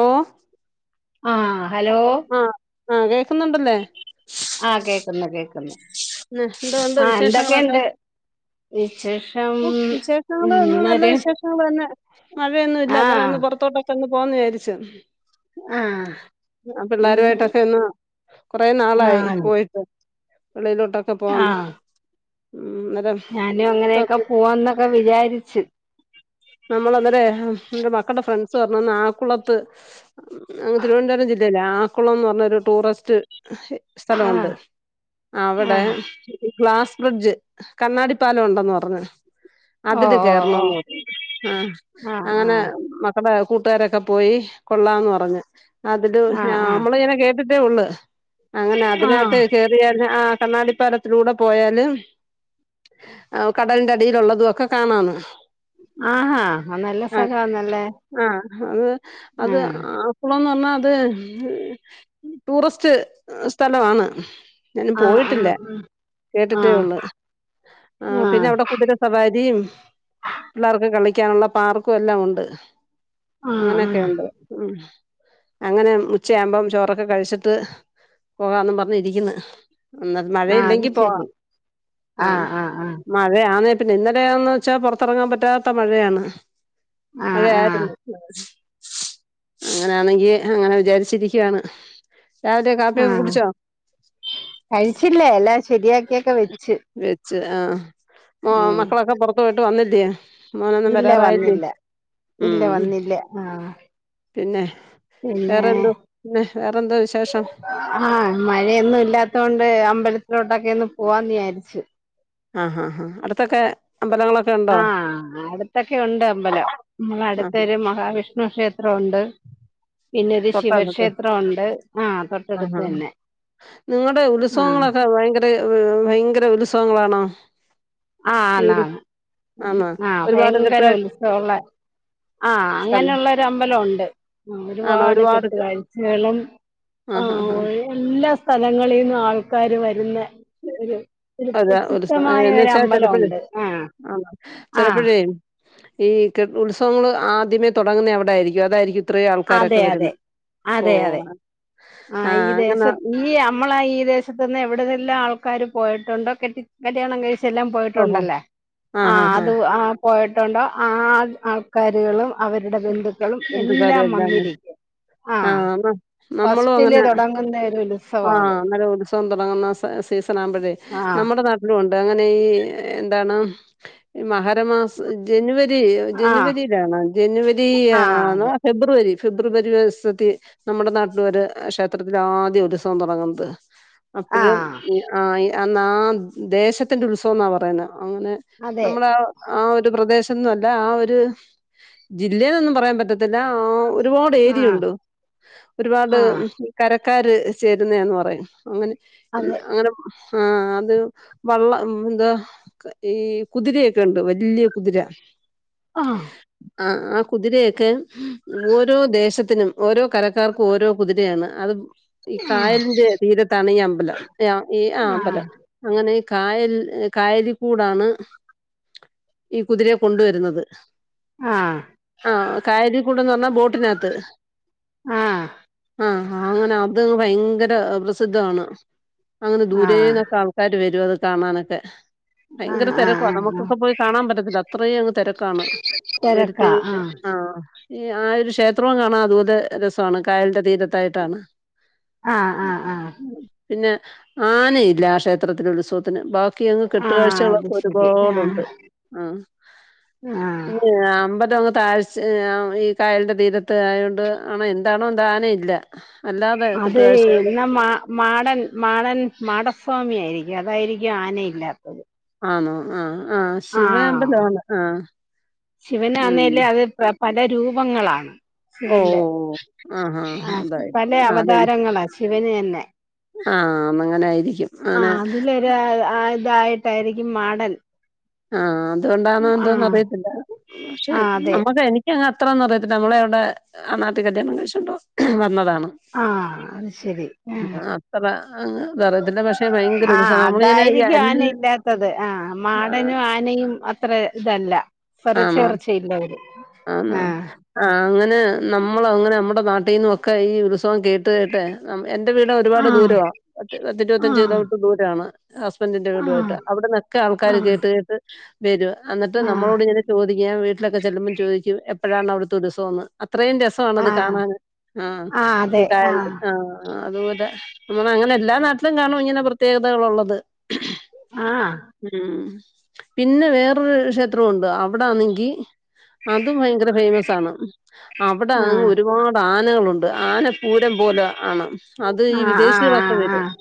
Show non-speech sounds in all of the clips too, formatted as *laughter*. ഓഹ് ആഹ്‌ ഹലോ ആഹ് കേക്കുന്നുണ്ട്ല്ലേ? ആഹ് കേക്കുന്നു കേക്കുന്നു ന്ന്. ന്തുണ്ട് ആഹ് വിശേഷങ്ങളൊക്കെ? എന്തൊക്കെയുണ്ട് വിശേഷം ഔ. ചേട്ട *unintelligible* നല്ല ഇന്നൊരു വിശേഷങ്ങൾ തന്നെ മഴയൊന്നും ഇല്ല അന്നേരം ഒന്ന് ആഹ് പുറത്തോട്ടൊക്കെ ഒന്ന് പോകന്ന് വിചാരിച്ച് ആഹ് ആഹ് ഇന്ന് പിള്ളേരുമായിട്ടൊക്കെ ഒന്ന് കുറെ നാളായി ആഹ് പോയി വെളിയിലോട്ടൊക്കെ പോവാന്ന് ആഹ് ഉം നേരം ഞാനും അങ്ങനെയൊക്കെ പോവാന്നൊക്കെ വിചാരിച്ചു നമ്മള് അന്നേരം ഏഹ് എൻ്റെ മക്കളുടെ ഫ്രണ്ട്സ് പറഞ്ഞന്ന് ആക്കുളത്ത് ഉം അങ്ങ് തിരുവനന്തപുരം ജില്ലല്ലേ ആക്കുളം എന്ന് പറഞ്ഞൊരു ടൂറിസ്റ്റ് ആഹ് സ്ഥലവെണ്ട് അവിടെ ആഹ് ഗ്ലാസ് ബ്രിഡ്ജ് കണ്ണാടി പാലം ഉണ്ടന്ന് പറഞ്ഞ് അതില് ഓഹ് കേറണന്ന് ഓഹ് പറഞ്ഞു ആഹ് ഓഹ് ആഹ് അങ്ങനെ മക്കടെ കൂട്ടുകാരൊക്കെ പോയി കൊള്ളാന്ന് പറഞ്ഞ് അതില് ആഹ് ആഹ് നമ്മള് ഇങ്ങനെ കേട്ടിട്ടേ ഉള്ളു അങ്ങനെ ആഹ് അതിനകത്ത് ആഹ് കേറിയ ന്ന ആ കണ്ണാടിപ്പാലത്തിലൂടെ പോയാല് ഓഹ് കടലിന്റെ അടിയിലുള്ളതുതൊക്കെ കാണാന്ന് ആഹാ അത് നല്ല അഹ് സ്ഥലവാന്നല്ലേ ആഹ് അത് അത് ആഹ് ഇപ്പോളെന്ന് പറഞ്ഞാ അത് ടൂറസ്റ്റ് സ്ഥലംവാന്ന് ഞാനും ആഹ് പോയിട്ടില്ല ആഹ് കേട്ടിട്ടേ ആഹ് ഉള്ളു ആഹ് പിന്നെ അവിടെ കുതിര സവാരിയും പിള്ളേർക്ക് കളിക്കാനുള്ള പാർക്കും എല്ലാം ഉണ്ട് ആഹ് അങ്ങനെയൊക്കെ ആഹ് ഉണ്ട് ഉം അങ്ങനെ ഉച്ചയാവുമ്പം ചോറൊക്കെ കഴിച്ചിട്ട് പോകാന്ന് പറഞ്ഞിരിക്കുന്നു ന്നേരം ആഹ് അത് മഴയില്ലെങ്കി പോവാം ശരി ആ ആഹ് ആഹ് ആഹ് മഴയാന്ന് പിന്നെ ഇന്നലെയന്ന് വെച്ചാൽ പുറത്തിറങ്ങാൻ പറ്റാത്ത മഴയാന്ന് മഴ ആഹ് ആഹ് ആയിരുന്നു അങ്ങനെയാണെങ്കി അങ്ങനെ വിചാരിച്ചിരിക്കുവാണ് രാവിലെ കാപ്പി ആഹ് കുടിച്ചോ കഴിച്ചില്ലേ എല്ലാം ശരിയാക്കിയൊക്കെ വെച്ച് വെച്ച് ആഹ് മോ ഉം മക്കളൊക്കെ പൊറത്തു പോയിട്ട് വന്നില്ലേ മോനൊന്നും ഇല്ല വരാറായില്ലേ വന്നില്ല ഇല്ല ഉം വന്നില്ലേ ആഹ് പിന്നെ പിന്നെ വേറെന്തോ പിന്നെ വേറെന്തോ വിശേഷം ആഹ് മഴയൊന്നും ഇല്ലാത്ത കൊണ്ട് അമ്പലത്തിലോട്ടൊക്കെ ഒന്ന് പോവാന്ന് വിചാരിച്ചു ആഹ് ആഹ് ആഹ് അടുത്തൊക്കെ അമ്പലങ്ങളൊക്കെ ഉണ്ടോ ആഹ് അടുത്തൊക്കെ ഉണ്ട് അമ്പലം നമ്മള് ആഹ് ഹാ അടുത്തൊരു മഹാവിഷ്ണു ക്ഷേത്രം ഉണ്ട് പിന്നെ ഒരു തൊട്ടടുത്ത് ശിവക്ഷേത്രം ഉണ്ട് ആഹ് ആഹ് തൊട്ടടുത്ത് ഹാ തന്നെ നിങ്ങളുടെ ആഹ് ഉത്സവങ്ങളൊക്കെ ഭയങ്കര ഭയങ്കര ഉത്സവങ്ങളാണോ ആഹ് ഈ ആന്നാ ഒരു നാന്ന് ഉം ആന്നോ ആഹ് ഒരുപാട് ഭയങ്കര കെട്ടുകാര് ഉത്സവള്ള ആഹ് അങ്ങനുള ഒരു അമ്പലം ഉണ്ട് ആ ഒരുപാട് കെട്ടുകാഴ്ചകളും ആ ആഹ് ഹാ ഹാ ഒരേ എല്ലാ സ്ഥലങ്ങളിന്നും ആൾക്കാര് വരുന്ന ഒരു അതെ ഒരു സ ഒരുപ്രസിദ്ധമായ എന്ന് ഒര വെച്ചാ മ്പലം ചെലപ്പഴേ ഉണ്ട് ആഹ് ആഹ് ഉം ഈ കേ ഉത്സവങ്ങള് ആദ്യമേ തുടങ്ങുന്ന അവിടെയായിരിക്കും അതായിരിക്കും ഇത്രയും ആൾക്കാരൊക്കെ അതെ വരുന്ന ഓ ആ ഈ ദേശത്ത് ഈ അ നമ്മള ഈദേശത്തു നിന്ന് എവിടന്നെല്ലാം ആൾക്കാര് പോയിട്ടുണ്ടോ കെട്ടി കല്യാണം കഴിച്ച് ഓഹോ! എല്ലാംപോയിട്ടുണ്ടല്ലേ ആ ഹാ ആഹ് ഹാ. അത് ആഹ് പോയിട്ടുണ്ടോ ആ ആൾക്കാരുകള് അവരുടെ ബന്ധുക്കളും എല്ലാം വന്നിരിക്കും ആഹ് അം ഫസ്റ്റിലെ തുടങ്ങുന്ന ഒരു ഉത്സവാത് ത്‌സവം തുടങ്ങുന്ന സ സീസൺ ആകുമ്പോഴേ ആഹ് നമ്മുടെ നാട്ടിലും ഉണ്ട് അങ്ങനെ ഈ ഏഹ് എന്താണ് മകരമാസ് ജനുവരി ആഹ് ജനുവരിയിലാണോ ജനുവരി ആഹ് ആന്ന് അതെ ഫെബ്രുവരി ഫെബ്രുവരി വസത്തി നമ്മുടെ നാട്ടില് ഒര് അ് ക്ഷേത്രത്തില് ആദ്യം ഒരുൽസവം. തുടങ്ങുന്നത് അപ്പഴും ആഹ് *unintelligible* ന്നാ ദേശത്തിന്റെ ഉത്സവം ന്നാ പറയുന്നെ *unintelligible* അതെ നമ്മളെ ആ ഒരു പ്രദേശന്നും അല്ല ആ ഒരു ജില്ലേ ന്നും പറയാൻ പറ്റത്തില്ല ഒരുപാട് ആഹ് ഏരിയുണ്ട്. ഒരുപാട് ആഹ് കരക്കാര് ചേരുന്ന ന്ന് പറയും അങ്ങനെ. അതെ *unintelligible* അങ്ങനെ ആ അത് വള്ളം ന്താ ഈ കുതിരയൊക്കെ ണ്ട് വല്ല്യ കുതിര. ആഹ് ആ ആ കുതിരയൊക്കെ ഓരോ ദേശത്തിനും ഓരോ കരക്കാർക്കു ഓരോ കുതിരയാണ് അത് ഈ കായൽന്റെ തീരത്താണ് ഈ അമ്പലം *unintelligible* ഈ ആ ആഹ് അമ്പലം. അങ്ങനെ കായൽ കായലിക്കൂടാണ് ഈ കുതിരയെ കൊണ്ടുവരുന്നത്. ആഹ് ആ കായലികൂടന്ന് പറഞ്ഞാ ബോട്ടിനകത്ത്. ആഹ് ആ അങ്ങനെ അത് ഭയങ്കര പ്രസിദ്ധാണ്. അങ്ങനെ ആഹ് ദൂരേന്നൊക്കെ ആൾക്കാര് വരും അത് കാണാനൊക്കെ. ഭയങ്കര ആഹ് തെരക്കുവാ ആഹ് ആഹ് നമുക്കൊക്കെ പോയി കാണാൻ പറ്റത്തില്ല അത്രയും അങ്ങ് തെരക്കാണ്. *unintelligible* ആഹ് ഈ ആ രു ക്ഷേത്രവും കാണാൻ *unintelligible* ത് രസാണ് കായലിന്റെ തീരത്തായിട്ടാണ്. ആഹ് ആഹ് ആഹ് പിന്നെ ആനയില്ല ക്ഷേത്രത്തിന് ഉത്സവത്തിന് ബാ ക്കി അങ്ങ് ആഹ് അത് കെട്ടുകാഴ്ചകളൊക്കെ ശരി ആഹ് ഒരുപാടുണ്ട് ആഹ്. ആഹ് *unintelligible* അമ്പലം അങ്ങ് താഴ്ച ഈ കായലിന്റെ തീരത്ത് ആയോണ്ട് ആ എന്താണോ ദാന ഇല്ല അതെയ് നമാ മാടൻ മാടൻ മാടസ്വാമി ആയിരിക്കും അതായിരിക്കും ആനയില്ലാത്തത് ആണോ ആ ആ ആഹ് ശിവമ്പലാണ് ആ ഉം ശിവനാന്നേല് അത് പ പല രൂപങ്ങളാണ് ഓ ശിവന്റെ ഓ ആ ഹാ ആ പല അതായിരിക്കും ആ അതെ അവതാരങ്ങളാ ശിവന് തന്നെ ആ ന്നങ്ങനെ ആയിരിക്കും *unintelligible* *unintelligible* അതായിട്ടായിരിക്കും മാടൻ ആ ആഹ് അതുകൊണ്ടാണന്തോന്നറിയത്തില്ല പക്ഷെ ആഹ് അതെ നമ്മക്ക് എനി കങ്ങ് അത്രന്നും അറിയത്തി്ല്ല നമ്മളെ അവിടെ ആ നാട്ട് കല്യാണം കഴിച്ചിണ്ടോ വന്നതാണ് ആ അത് ശരി ആ അത്ര അങ്ങ് ഇതറിയത്തില്ല. പക്ഷേ ഭയങ്കര ആ ഉത്സാഹം. നമ്മളിങ്ങനെ ഈ അതായിരിക്കും ആന എല്ലാ ഇല്ലാ ത്തത് ആ മാടനും ആനയും അത്ര ഇതല്ല *unintelligible* ആണോ? ച്ചേർച്ചയില്ലവര് ആണോ? ആ ആ അങ്ങനെ നമ്മള് അങ്ങനെ നമ്മടെ നാട്ടീന്നൊക്കെ ഈ ഉത്സവം കേ *unintelligible* എന്റെ വീട് ഒരുപാട് ആഹ് ദൂരവാ പത്തി ഇരുപത്തഞ്ച് കിലോമീറ്റർ ദൂരമാണ് ഹസ്ബൻഡിന്റെ വീടുവായിട്ട് ആഹ് അവിടന്നൊക്കെ ആൾക്കാര് ആഹ് കേട്ട് കേട്ട് വരും എന്നിട്ട് നം ആഹ് ആഹ് നമ്മളോട്ങ്ങനെ ചോദിക്ക വീട്ടിലൊക്കെ ചെല്ലുമ്പോ ചോയിക്യും എപ്പഴാണ് അവിട്ത്തെ ഉത്സവംന്ന് അത്രയും രസ് *unintelligible* ണത് ആഹ് കാണാൻ ആ ആഹ് അതെ ആഹ് ആ അതുപോലെ നമ്മളങ്ങനെ എല്ലാ നാട്ടിലും കാണും ഇങ്ങനെ പ്രത്യേകതകളു ള്ളത് ആ ഉം പിന്നെ വേറൊരു ക്ഷേത്രം ഉണ്ട് അവിടാണെങ്കി അതും ഭയങ്കര ഫേമസ് ആണ് അവിടെങ് ആഹ് ഒരുപാട് ആനകളുണ്ട് ആനപ്പൂരം പോലെ ആണ് അത് ഈ ആഹ് വിദേശികളൊക്കെ ആഹ് വരും ആഹ്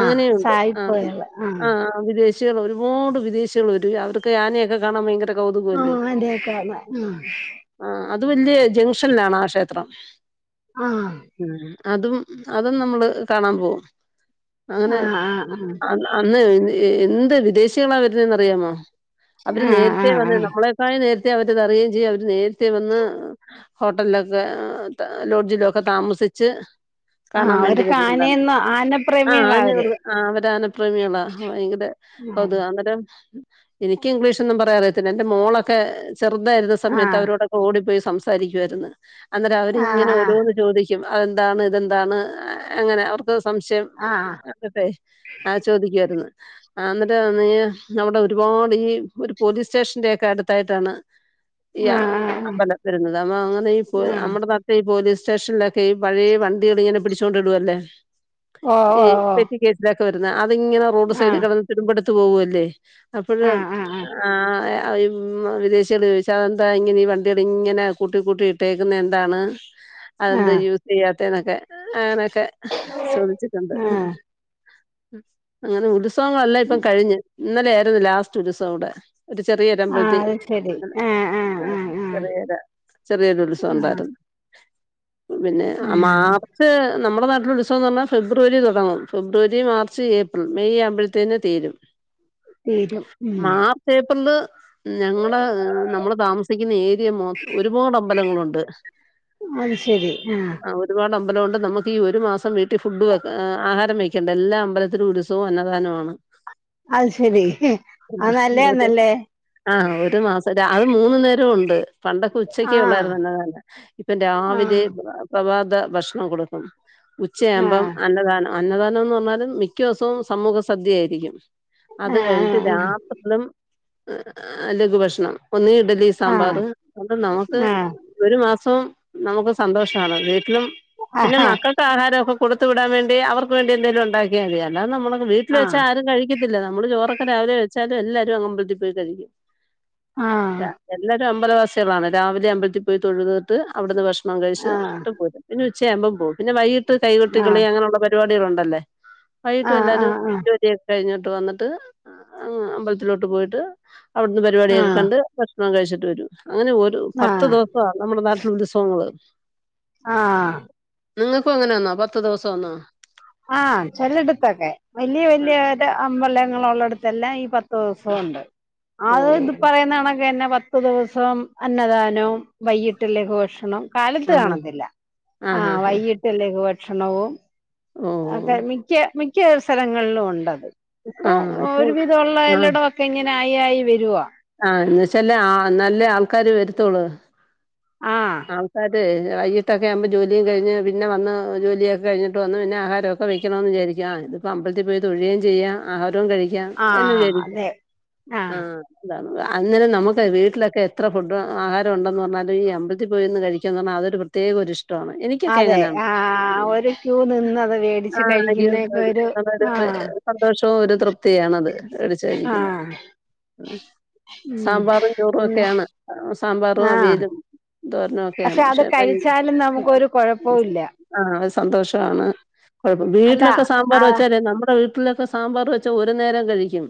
അങ്ങനെയുണ്ട് ആ ആ ആ വിദേശികൾ ഒരുപാട് വിദേശികൾ വരും അവർക്ക് ആനയൊക്കെ കാണാൻ ഭയങ്കര കൗതുകോല്ലെ ആഹ് അതെയൊക്കെ ആഹ് ആ അത് വല്യ ജംഗ്ഷനിലാണാ ക്ഷേത്രം? ആഹ് അതും അതും നമ്മള് കാണാൻ പോകും അങ്ങനെ ആഹ് ആഹ് ഇന്ന് എന്ത് വിദേശികളാ വെരുന്നേന്നറിയാമോ അവര് ആഹ് നേരത്തെ ആഹ് വന്ന് ആഹ് നമ്മളെക്കായി നേരത്തെ അവരിതറിയേം ചെയ്യും അവര് നേരത്തെ വന്ന് ഹോട്ടലിലൊക്കെ ലോഡ്ജിലുവെക്കെ താമസിച്ച് ആഹ് കാണാൻ വേണ്ടി അവർക്ക് വെരുന്നതാണ്. ആനയെന്ന് ആഹ് ആനപ്രേമികളാ അവര് *unintelligible* അവരാ *unintelligible* ഭയങ്കര കൊതുകാ അന്നരം എനിക്ക് ഇംഗ്ലീഷൊന്നും പറയാറിയത്തില്ല എന്റെ മോളൊക്കെ ചെർതായിരുന്ന സമയത്ത് ആഹ് അവരോടൊക്കെ ഓടിപ്പോയി സംസാരിക്കുവാര്ന്ന് അന്നരം ആഹ് അവരിങ്ങനെ ആഹ് ഓരോന്ന് ചോദിക്കും അതെന്താണ് ഇതെന്താണ് എങ്ങനെ അവർക്ക് സംശയം ആഹ് *unintelligible* ആ ചോദിക്കുവാരുന്നു ആന്നെരവാന്നെങ്കി അവിടെ ഒരുപാട് ഈ ഒരു പോലീസ് സ്റ്റേഷന്റെ ഒക്കെ അടുത്തായിട്ടാണ് *inaudible* ഈ ആഹ് *unintelligible* രുന്നത് അപ്പ അങ്ങനെ ഈ പോ ആഹ് നമ്മടെ നാട്ടിൽ പ്പയീ പോലീസ് സ്റ്റേഷനിലൊക്കെ ഈ പഴേ വണ്ടികളിങ്ങനെ പിടിച്ചോണ്ടിടുവല്ലേ ഓഹ് ഈ ഓഹ് പെറ്റി കേസിലൊക്കെ വെര്ന്ന അതിങ്ങനെ റോഡ് ഓഹ് സൈഡി കെടന്ന് തുരുമ്പെടുത്ത് പോവ്വല്ലേ അപ്പഴ് ആഹ് ആഹ് ആഹ് ആഹ് *unintelligible* വിദേശികള് ചോദിച്ച് അതെന്താ ഇങ്ങനെ ഈ വണ്ടികളിങ്ങനെ കൂട്ടി കൂട്ടി ഇട്ടേക്കുന്നയെന്താണെന്ന്? *inaudible* അതെന്ത് യൂസ് ചെയ്യാത്തേന്നെക്കെ അങ്ങനക്കെ ചോദിച്ചിട്ടുണ്ട് ആഹ് ആഹ് അങ്ങനെ ഉത്സവങ്ങളെല്ലാം ഇപ്പം കഴിഞ്ഞ് ഇന്നലെയാരുന്നു ലാസ്റ്റ് ഉത്സവവ്ടെ ഒരു ചെറിയൊരമ്പല്തി *inaudible* ആഹ് ചെറിയൊര ചെറിയൊരുത്സവം ആഹ് ഒണ്ടാര്ന്നു പിന്നെ ഉം മാർച്ച് നമ്മുടെ നാട്ടിലുത്സവംന്ന് പറഞ്ഞാ ഫെബ്രുവരി തൊടങ്ങും ഫെ ബ്രുവരി മാർച്ച് ഏപ്രിൽ മെയ് ആമ്പഴത്തേന് തീരും വെരും ഉം പേപ്പറില് ഞങ്ങള് നമ്മള് താമസി സിക്കുന്നേരിയ മൊ ഒരുപാടമ്പലങ്ങളൊണ്ട് അത് ശരി ആഹ് ഒരുപാടമ്പലോണ്ട് നമുക്ക് ഈ ഒരു മാസം വീട്ടിൽ ഫുഡ് വെ ആഹാരം വെക്ക ക്കെണ്ട എല്ലാ അമ്പലത്തിലുൽസവോ അന്നദാനോവാണ് അത് ശെരി അ നല്ലയാന്നല്ലേ ആഹ് ഒരു മാസം രാ അത് മൂന്നു നേരോ ഒണ്ട്. പണ്ടൊക്കെ ഉച്ചക്കെ ആഹ് ഒള്ളാര്ന്നല്ലോ ഇപ്പം രാവിലെ ആഹ് പ്രഭാത ഭക്ഷണം കൊടുക്കും ഉച്ചയാമ്പം ആഹ് അന്നദാനം അന്നദാനം *unintelligible* മിക്കെസോം സമൂഹ സദ്യയായിരിക്കും അത് ആഹ് കഴഞ്ഞിട്ട് രാ തും ലഘുഭക്ഷണം ഒന്ന് ഇഡ്ലി സാ ആഹ് സാമ്പാറ് അണ്ട് നമുക്ക് ആഹ് ഒരു മാസവും നമുക്ക് സന്തോഷാണ് വീട്ടിലും പിന്നെ ആഹ് മക്കക്ക് ആഹാരൊക്കെ കൊടുത്ത് വിടാൻ വേണ്ടി അവർക്ക് വേണ്ടി എന്തേലും ഒണ്ടാക്കിയാ മതി അല്ലാതമ്മള് വീട്ടില് ആഹ് വെച്ചാ ആരും കഴിക്കത്തില്ല നമ്മള് ചോറൊക്കെ രാവിലെ വെച്ചാലും എല്ലാരുവങ്ങമ്പലത്തി പോയി കഴിക്കും ആഹ് ആഹ് ആഹ് ല്ല എല്ലാരും അമ്പലവാസികളാണ് രാവിലെ അമ്പലത്തി പോയി തൊഴുത്ട്ട് അവിടുന്ന് ഭക്ഷ ണം കഴിച്ച് ട്ട് പോരും പിന്നുച്ചയാമ്പം പോവും പിന്നെ വൈയിട്ട് ആഹ് കൈകൊട്ടിക്കളി അങ്ങനൊള്ള പരിപാടികളൊണ്ടെല്ലേ വൈകിട്ടു ആഹ് ആഹ് എല്ലാരും ആഹ് ജോലി കഴിഞ്ഞോട്ട് വന്നിട്ട് അങ് അമ്പലത്തിലോട്ട് പോയിട്ട് അവിടുന്ന് പരിപാടിയൊക്കെ കണ്ട് ഭക്ഷണം കഴിച്ചിട്ട് വരും അങ്ങനെ ഒരു ആഹ് പത്ത് ആഹ് ദിവസം *unintelligible* നമ്മുടെ നാട്ടിലുൽസോങ്ങള് ആഹ് നിങ്ങക്കും അങ്ങനാന്നോ പത്ത് ദെവസം ആന്നോ ആഹ് ചെലട്ത്തെക്കെ വല്യ വല്യ ഒര് അമ്പലങ്ങളൊള്ളടുത്ത് തെല്ലാം ഈ പത്തെവസോണ്ട് ഓ അത് ഇപ്പറയുണക്കന്നെ ക്കൊരൂസം അന്നദാനവും വൈകിട്ട് ലഘുഭഷണം കാലത്ത് ആ കാണത്തില്ല ആ ഹാ ആഹ് ഹാ വൈകിട്ട്ല്ലേക്ക് ഭക്ഷണവും ഓ ഒക്കെ മിക്ക മിക്ക അവസരങ്ങളിലും ഉണ്ടത് ആ ഇപ്പൊ ഇപ്പൊ ഒരു വിധമുള്ള എല്ലട ക്കെ ഇങ്ങനെ ആയി ആയി വരുവാ ആഹ് എന്ന ച്ചല് ആഹ് നല്ല ആൾക്കാര് വരുത്തോളൂ ആഹ് ആൾ *unintelligible* അയ്യ് ക്കക്കെ ആവ്മ്പോ ജോലിയ് കഴിഞ് പിന്നെ വന്ന് ജോലിയൊക്കെ കിഞ്ഞിട്ട് വ ന്ന് പിന്നെ ആഹാരൊക്കെ വയ്ക്കണോന്ന് വിചാരിക്കും ആഹ് ത് പ്പ അമ്പലത്തിൽ പോയി തൊയേം ചെയ്യാം, ആഹാരോം കഴിക്കാം ആഹ് എന്ന്ചാരിക്കും. അതെ ആഹ് ന്താന്ന് അങ്ങനെ നമുക്ക് വീട്ടിലൊക്കെ എത്ര ഫുഡ് ആഹാരം ഉണ്ടെന്ന് പറഞ്ഞാലും ഈ അമ്പല്ത്തി *unintelligible* പോന്ന് കഴിക്ക അതൊരു പ്രത്യക ഇഷ് എനിക്കൊക്കെ അതെ എങ്ങനെയാണ് ആഹ് ഒരു ക്യൂ നിന്നത് മേടിച്ച് ആഹ് കഴിക്കുന്നതൊക്കെ *unintelligible* ഒരു ആഹ് സന്തോഷവും ഒരു തൃപ്തിയണ അത് എടിച്ചരിക്കുന്നത് ആഹ് ആഹ് ഉം സാമ്പാറും ചോറും പിന്നെ ഒക്കെയാണ് ആഹ് സാമ്പാറും ആഹ് അവിയലും ദോരണൊക്കെയാണ് അത് പക്ഷെ കഴിച്ചാലും നമുക്കൊരു *unintelligible* കുഴപ്പവുമില്ല ആഹ് സന്തോഷാണ് കുഴപ്പം അല്ല വീട്ടിലൊക്കെ സാമ്പാർ ആ വെച്ചാലേ നമ്മുടെ വീട്ടിലൊക്കെ സാമ്പാർ വെച്ചാ ഒരു നേരം കഴിക്കും.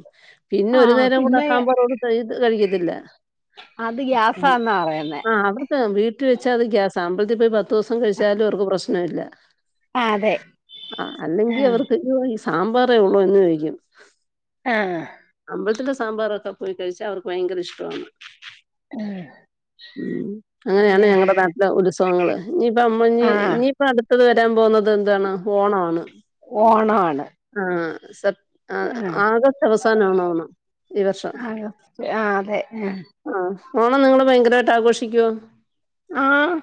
പിന്നെ ഒരു ആഹ് നേരം കൂടെ ആ പിന്നെ സാമ്പാർ *unintelligible* കഴിക്കത്തില്ല അത് ഗ്യാസന്നാ പറയുന്നേ ആഹ് അവർക്ക് വീട്ടിൽ വെച്ചാ അത് ഗ്യാസ ആമ്പലത്തി പോയി പത്ത് ദിവസം കഴിച്ചാലും അവർക്ക് പ്രശ്നം ഇല്ല ആഹ് അതെ ആഹ് അല്ലെങ്കി ആഹ് അവർക്ക് ഈ സാമ്പാറേ ഉള്ളു എന്ന് ചോയ്ക്കും ആഹ് അമ്പലത്തി സാമ്പാറൊക്കെ പോയി കഴിച്ചാ അവർക്ക് ഭയങ്കര ഇഷ്ട്ടാണ് ഉമ് അങ്ങനെയാണ് ഞങ്ങളുടെ നാട്ടിലെ ഉത്സവങ്ങങ്ങള്. ഇനിയിപ്പ അമ്മ ഞ് ആഹ് ഇഞ് ഇപ്പ അടുത്തത് വരാൻ പോകുന്നത് എന്താണ് ഓണമാണ് ഓണാണ് ആഹ് സത് ആഹ് ആഗസ്റ്റ് അവസാന ആണ ആണം ഈ വർഷം ആഗസ്റ്റ് ആഹ് അതെ ആഹ് ഓൺ വന്ന നിങ്ങള് ഭയങ്കരാട്ട് ആഘോഷിക്ക്യോ ആഹ്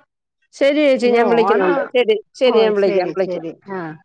ശരിയേച്ചി പിന്നെ ഞാൻ ഓണം വിളിക്കുന്നുണ്ട് ശരി ശരി ഓ ഞാൻ വിളിക്കാം വിളിക്കാം ശരി ആഹ്